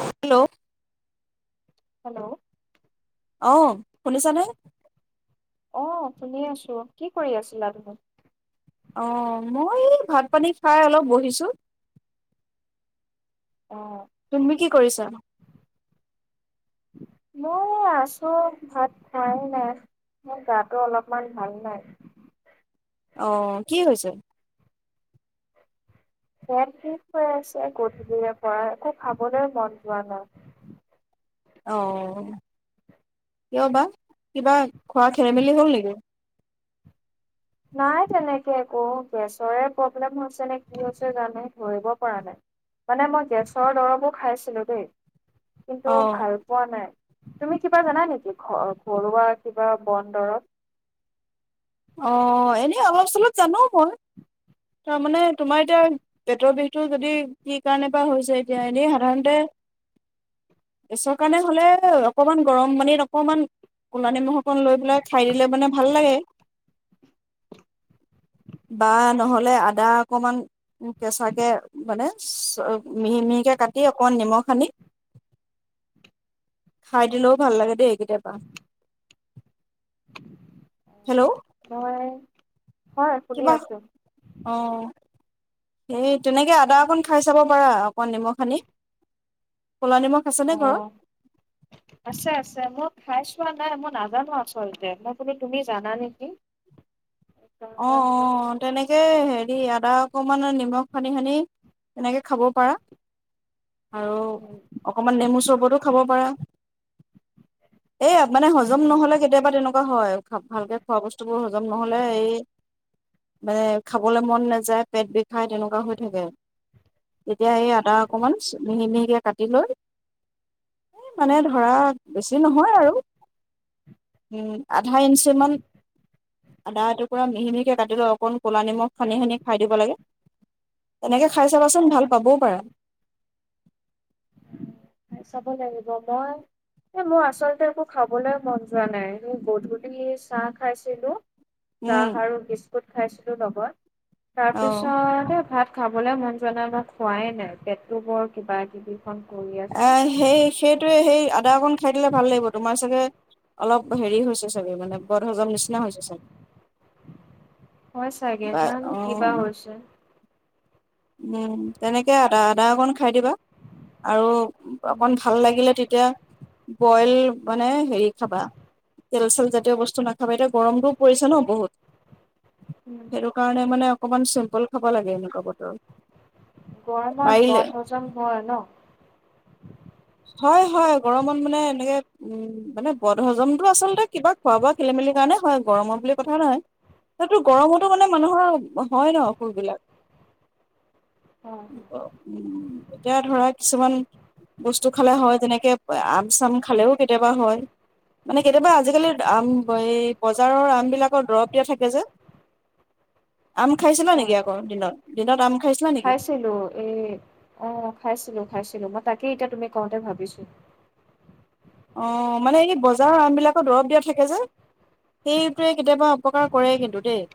Hello hello অহ শুনিছা নহ অ শুনি আছো কি কৰি আছিলা তুমি অ মই ভাত পানী খাই অলপ বহিছো অ তুমি কি কৰিছা মই আছো ভাত খোৱাই নাই মোৰ গাটো অলপমান ভাল নাই আহ কি হৈছে পেট বিষহৈ আছে গধূলিৰে পৰা একো খাবলৈ মন যোৱা নাই অ কিয় বা কিবা খোৱা খেলি মেলি হ'ল নেকি নাই তেনেকে একো গেছৰে প্ৰব্লেম হৈছে নে কি হৈছে জানো ধৰিব পৰা নাই মানে মই গেছৰ দৰবো খাইছিলো দেই কিন্তু অ ভাল পোৱা নাই তুমি কিবা জানা নেকি ঘ ঘৰুৱা কিবা বন দৰত অ এনেই অলপ চলত জানো মই তাৰ মানে তোমাৰ এতিয়া পেটৰ বিষতটো যদি কি কাৰণে বা হৈছে এতিয়া এনেই সাধাৰণতে গেছৰ কাৰণে হলে অকমান গৰম পানীত অকমান কলা নিমখ অকন লৈ খাই দিলে মানে ভাল লাগে বা নহলে লে আদা অকণমান কেঁচাকে মানে মিহি মিহিকে কাটি অকমান নিমখ সানি খাই দিলেও ভাল লাগে দেই এইকেইতিয়াবা নই কিবা অ সেই তেনেকে আদা অকন খাই চাব পাৰা ক নম খি অ আছে আছে মই খাই চোৱা নাই মই নাজানো আচলতে মই কোলো তুমি জানা নেকি অ সেইকাৰণে অ বোলো তেনেকে হেৰি আদা অকমান নিমখ খানি খানি এনেকে খাব পাৰা আৰু অকমান নেমু চৰ্বতো খাব পাৰা এ মানে অ হজম নহ'লে কেতিয়াবা তেনেকুৱা হয় ভালকে খোৱা বস্তু বোৰ হ হজম নহলে এই মানে খাবলৈ মন নাযায় পেট বিষাই তেনেকুৱা হৈ থাকে তেতিয়া এই আদটা অকমান মিহি মিহিকে কাটি লৈ এ মানে ধৰা বেছি নহয় আৰু আধা ইঞ্চিমান আদা এটো পুৰা মিহি মিহিকে কাটি লৈ অকণ ক'লা নিমখ সানি সানি খাই দিব লাগে তেনেকে খাই চাবাচোন ভাল পাবও পাৰো খাই চাব লাগিব মই এই মোৰ আচলতে একো খাবলৈ মন যোৱা নাই স গধূলি চাহ খাইছিলো উম চাহ আৰু কি কট খাইছিলো লগত অ তাৰপিছত ভাত খাবলে মন যোৱা নাই মই খোৱাই নাই পেটটো বৰ কিবা কিবিখন কৰি আছে এ সেই সেইটোৱে সেই আদা অকণ খাই দিলে ভাল লাগিব তোমাৰ চাগে অলপ হেৰি হৈছে চাগে মানে বৰ হজম নিচিনা হৈছে চাগে হয় চাগে বা যানো অ কিবা হৈছে। তেনেকে আদা আদা অকণ খাই দিবা আৰু অকন ভাল লাগিলে তেতিয়া বইল মানে হেৰি খাবা। তেল চেলজাতীয় বস্তু নাখাবি এতিয়া গৰমটোও পৰিছে ন বহুত। উম, সেইটো কাৰণে মানে অকমান চল বইল খাব লাগে এনেকুৱা বতৰত গৰমত পাৰিলে বদ হজম হয় ন হয়, হয়, গৰমত মানে এনেকে উম মানে বদ হজমতটো আচলতে কিবা খোৱা বোৱা খেলি মেলি কাৰণে হয় গৰমত বুলি কথা নহয়। সেইটো গৰমতো মানে মানুহ হয়, ন, সুৰবিলাক হয় উম। এতিয়া ধৰা কিছুমান বস্তু খালে হয় তেনেকে আম চাম্ খালেও কেতিয়াবা হয়। মানে কেতিয়াবা অজি কালিৰ বজাৰৰ আম বিলাকত দৰৱ দিয়া থাকে যে আম খাইছিলা নেকি হয় আকৌ দিনত দিনত আম খাইছিলা নেকি? খাইছিলো এ তাকেই এতিয়া তুমি কওঁতে ভাবিছো অ, মানে এই বজাৰৰ আমবিলাকো দৰৱ দিয়া থাকে যে, সেইটোৱে কেতিয়াবা অপকাৰ কৰে কিন্তু দেই।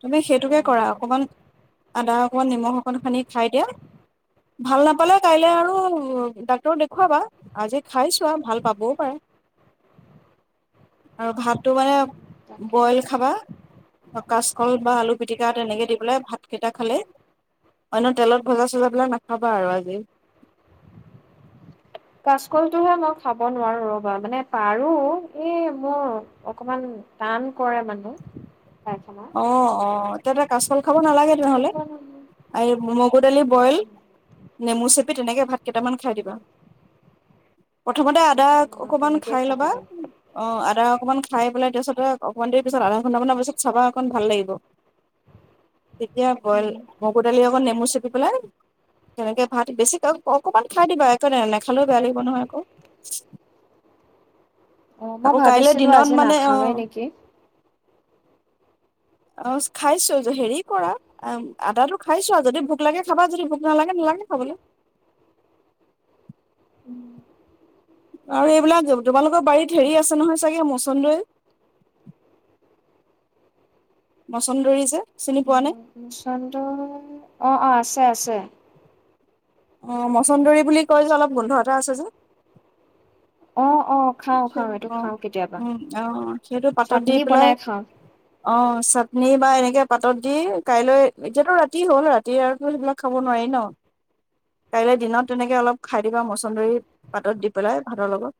তুমি সেইটোকে কৰা উম অকমান আদা অকমান নিমখ অকন হানি খাই দিয়া, ভাল নাপালে কাইলে আৰু ডাক্তৰক দেখুৱাবা আজি খাইছোৱা ভাল পাবও পাৰা আৰু ভাতটো মানে তাকে বইল খাবা। কল বা আলু পিটিকা তেনেকে দি পেলাই ভাতকেইটা খালে অন্য তেলত ভজা চজা বিলাক নাখাবা আৰু আজি। কাচকলটোহে মই খাব নোৱাৰো ৰ'বা মানে পাৰু এই মোৰ অকমান টান কৰে মানে পায়খানা অ, অ। [unintelligible] কাছ কল খাব নালাগে। কি সেইটো হলে কাৰণে [unintelligible] মগু দালি বইল মই নেমু চেপি তেনেকৈ ভাত কেইটামান খাই দিবা। প্ৰথমতে আদা অ অকমান তেনেকেই খাই খাব ল'বা লাগিব অ, আদা অকমান খাই পেলাই তাৰপিছত এ অকমান দেৰি পিছত আধা ঘণ্টামানৰ পিছত চাবা। অকণ ভাল লাগিব। তেতিয়া বইল উম মগুৰ দালি অকন নেমু চেপি পেলাই তেনেকে ভাত বেছিক অকমান খাই দিবা একো নাই নেখালেও বেয়া লাগিব নহয় আকৌ। অ, মই আকৌ কাইলৈ ভাবিছিলো দিনত আজি মানে নাখামেই অ', নেকি? অ খাইছো হেৰি কৰা আদাটো খাইছো আৰু যদি, ভোক লাগে খাবা যদি ভোক নালাগে নালাগে খাবলৈ। আৰু এইবিলাক তোমালোকৰ বাৰীত হেৰি আছে নহয় চাগে মচনদৈ? মচন্দৰী যে চিনি পোৱা নাই মচন্দ অ অ আছে আছে অ মছন্দৰী বুলি কয় যে অলপ গোন্ধ এটা আছে যে অ অ খাওঁ খাওঁ এইটো অ খাওঁ কেতিয়াবা উ অ সেইটো পাতত দি চাটনি পেলাই বনাই খাওঁ। অ চাটনি বা এনেকৈ পাতত দি কাইলৈ এতিয়াতো ৰাতি হ'ল ৰাতি আৰু সেইবিলাক খাব নোৱাৰি ন কাইলৈ দিনত তেনেকৈ অলপ খাই দিবা মচন্দৰী পাতত দি পেলাই ভাতৰ লগত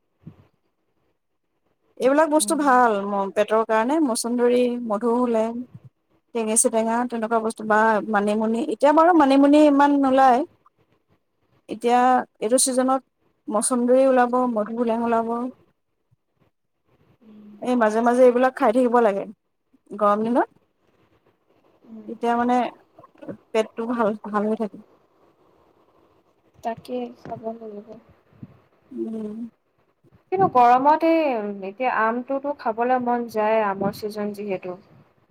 এইবিলাক বস্তু উম ভাল পেটৰ কাৰণে মছন্দৰী মধু ওলেং টেঙেচিটেঙা তেনেকুৱা বস্তু বা মানিমুনি এতিয়া বাৰু মানিমুনি ইমান নোলায় এতিয়া এইটো চিজনত মচন্দৰী ওলাব মধু হোলেং ওলাব উম, এই মাজে মাজে এইবিলাক খাই থাকিব লাগে গৰম দিনত তেতিয়া মানে পেটটো ভাল ভাল হৈ থাকে তাকেই খাব লাগিব উম কিন্তু গৰমত এই এতিয়া আমটোতো খাবলৈ মন যায় আমৰ ছিজন যিহেতু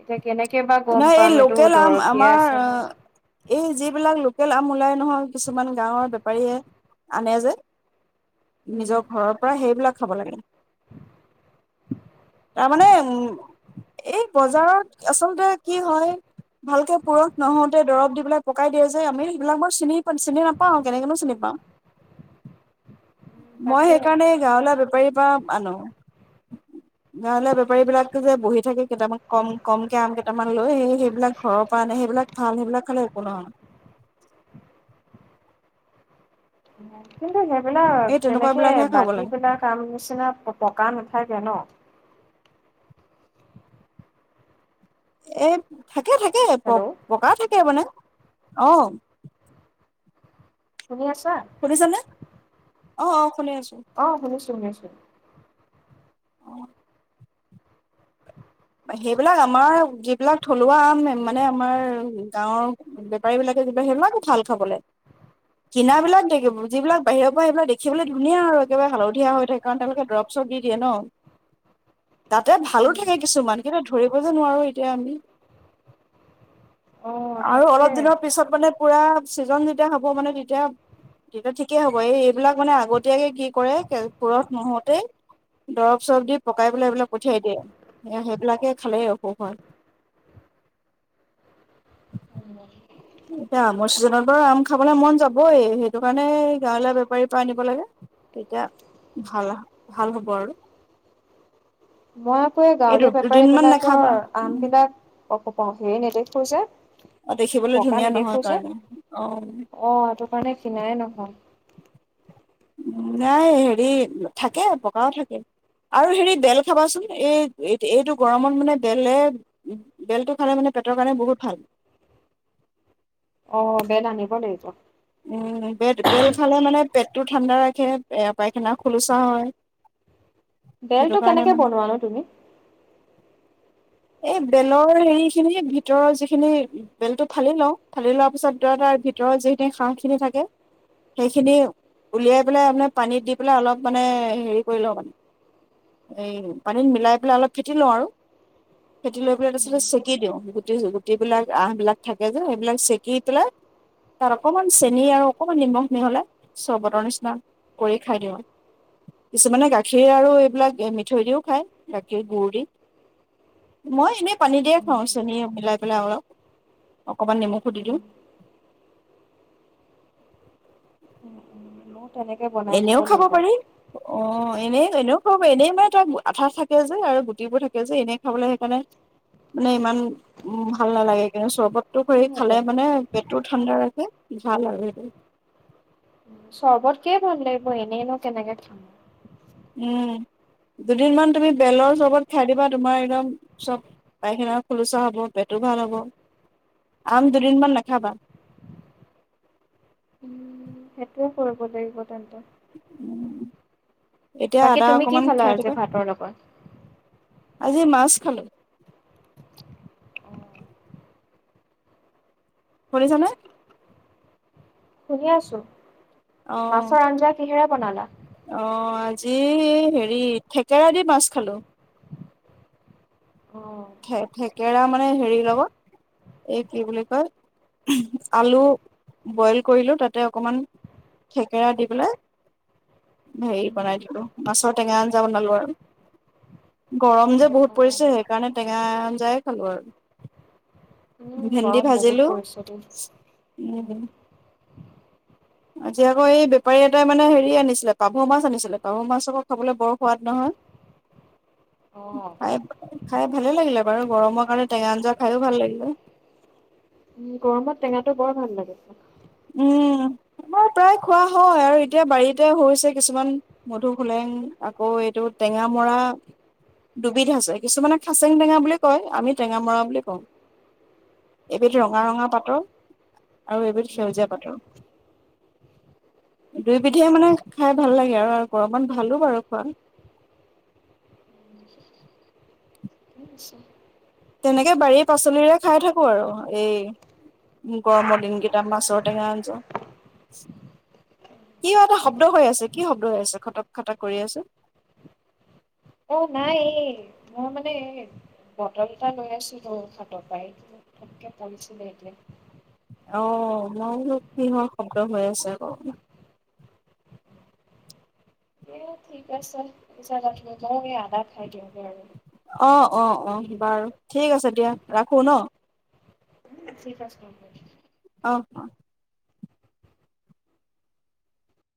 এতিয়া কেনেকে বা গম নাই এই পাম এইটো লোকেল আম দৰৱ দিয়া আমাৰ আছে নে এই যিবিলাক লোকেল আম ওলাই নহয় কিছুমান গাঁৱৰ বেপাৰীয়ে আনে যে উম। নিজৰ ঘৰৰ পৰা সেইবিলাক খাব লাগে তাৰমানে এই বজাৰত আচলতে কি হয় ভালকে পুৰঠ নহওঁতে দৰব দি পেলাই পকাই দিয়ে যে আমি সেইবিলাক মই চিনিা চিনি নাপাও কেনেকেনো চিনি পাও মই তাকে। সেইকাৰণে গাঁৱলে- বেপাৰি পা আনো। গাৱলে বেপাৰী বিলাক যে বহি থাকে কেইটামান কম কমকে আনে কেইটামান লৈ সেইবিলাক ঘৰৰ পৰা আনে সেইবিলাক ভাল সেইবিলাক খালে একো নহয়। কিন্তু সেইবিলাক এই তেনেকুৱা তেনেকে বিলাকহে খাব লাগে বাকীবিলাক আম নিচিনা পকা নাথাকে ন? এ থাক থাকে থাকে প হেল্ল' পকা থাকে মানে অহ শুনি আছা? সুনিছে নে? অ অ শুনি আছো অ শুনিছো শুনিছো [unintelligible] [unintelligible] সেইবিলাক আমাৰ যিবিলাক থলুৱা আম মানে আমাৰ গাঁৱৰ বেপাৰী বিলাকে যিবিলাক সেইবিলাকো ভাল খাবলে। কিনাবিলাক যিবিলাক বাহিৰৰ পৰা সেইবিলাক দেখিবলৈ ধুনীয়া আৰু একেবাৰে হালধীয়া হৈ থাকে কাৰণ তেওঁলোকে দৰৱ-চৰপ দি দিয়ে ন। তাতে ভালো উম। থাকে কিছুমান, কিন্তু ধৰিব যে নোৱাৰো এতিয়া আমি অ' আৰু অলপ তাকে। দিনৰ পিছত মানে পোৰা ছিজন যেতিয়া হ'ব মানে তেতিয়া, তেতিয়া ঠিকেই হ'ব এই এইবিলাক মানে আগতীয়াকৈ কি কৰে পুৰঠ নহওঁতেই, দৰব চৰব দি পকাই পেলাই পঠিয়াই দিয়ে এ সেইবিলাকে খালেই অসুখ হয়। এতিয়া আমৰ ছিজনত বাৰু আম খাবলে মন যাবই, সেইটো কাৰণে গাঁৱলীয়া বেপাৰীৰ পৰা আনিব লাগে, এতিয়া ভাল আও ভাল হ'ব আৰু। মই আকৌ এই দু গাঁৱলীয়া বেপাৰী দুদিনমান নাখাবা। বিলাকৰ আম বিলাক, হেৰি নেদেখুৱে কৈছে অ দেখিবলৈ পকা ধুনীয়া নহয় নেদেখো যে, কাৰণে অ অ এইটো কাৰণে কিনাই নহয় নাই হেৰি থাকে পকাও থাকে, আৰু হেৰি বেল খাবাচোন এই এইটো গৰমত মানে বেলে বেলটো খালে মানে পেটৰ কাৰণে বহুত ভাল অ বেল আনিব লাগিব উম বেত বেল খালে মানে পেটটো ঠাণ্ডাৰাখে, পায়খানা খোলোচা হয় সেইটো বেলটো কাৰণে কেনেকে মানে বনোৱানো তুমি? এই বেলৰ হেৰিখিনি, ভিতৰ যিখিনি বেলটো ফালি লওঁ, ফালি লোৱাৰ পিছত ধৰা তাৰ ভিতৰত যিখিনি হাহখিনি থাকে, সেইখিনি উলিয়াই পেলাই আপে পানীত দি পেলাই অলপ মানে হেৰি কৰি লওঁ মানে, এই পানীত মিলাই পেলাই অলপ ফেটি লওঁ আৰু। ফেটিলৈ পেলাই তাৰপিছতে চেকি দিওঁ, গুটি গুটিবিলাক, আহবিলাক থাকে যে সেইবিলাক চেকি পেলাই তাত অকণমান চেনি আৰু অকণমান নিমখ মিহলাই চৰবটৰ নিচিনা কৰি খাই দিওঁ। কিছুমানে গাখীৰ আৰু এইবিলাক মিঠৈ দিও খায়, গাখীৰ গুৰ দি মই এনেই পানী দিয়ে খাওঁ। চেনী মিলাই পেলাই অলপ, অকণমান নিমখু দি দিওঁ। ময়ো তেনেকে বনাই খাব এনেও লাগিব। পাৰি অ এনেই, এনেও খাব পাৰি, এনেই মানে তই আঠা থাকে যে, আৰু গুটিবোৰ থাকে যে এনেই খাবলৈ সেইকাৰণে, মানে ইমান ভাল নালাগে কিন্তু চৰবত টোক এৰি খালে মানে। পেটটো ঠাণ্ডা ৰাখে, ভাল আৰু এইটো- চৰ্বতকেই ভাল লাগিব। এনেইনো কেনেকে খাম। উম দুদিনমান তুমি বেলৰ চবত খাই দিবা তোমাৰ একদম চব পাইখানা খোলোচা হব। পেটো ভাল হব, আম দুদিনমান নাখাবা সেইটোয়ে কৰিব লাগিব তেন্তে। উম [unintelligible] বাকী, আদা তুমি কি অকমান খালা খাই আজি দিবা ভাতৰ লগত? আজি মাছ খালো। শুনিছানে? শুনি আছো। অ', মাছৰ আঞ্জা কিহেৰে বনালা অ', আজি। হেৰি- থেকেৰা দি মাছ খালো। অ অ থে-থেকেৰা মানে হেৰি লগত, এই কি বুলি কয়! আলু বইল কৰিলো তাতে অকমান থেকেৰা দি পেলাই হেৰি বনাই দিলো মাছৰ টেঙা আঞ্জা বনালো আৰু, গৰম যে বহুত অ পৰিছে সেইকাৰণে টেঙা আঞ্জাই খালো আৰু। উম ভেন্দি গৰম বহুত ভাজিলো, পৰিছে দেই উ - আজি আকৌ এই বেপাৰী এটাই মানে হেৰি আনিছিলে পাভ মাছ আনিছিলে, পাভ মাছ আকৌ খাবলৈ বৰ সোৱাদ নহয়, অ খাই খাই ভালে লাগিলে বাৰু, গৰমৰ কাৰণে- উম গৰমত টেঙা টো বৰ ভাল লাগে উম আমাৰ প্ৰায় খোৱা হয়, আৰু এতিয়া বাৰীতে হৈছে কিছুমান মধুসোলেং আকৌ এইটো টেঙামৰা। উম সেউ [unintelligible] ঠিক আছে [inaudible] অ [unintelligible] অ' মই বুলো কিহৰ শব্দ হৈ আছে আক। এ ঠিক আছে, যাবা তুমি, মই এই আদা খাই দিওঁ। অ-, অ, অ। বাৰু, ঠিক আছে দিয়া ৰাখো ন? [unintelligible] অ' অ-।